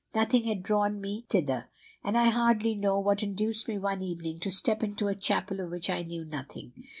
Nothing had drawn me thither; and I hardly know what induced me one evening to step into a chapel of which I knew nothing.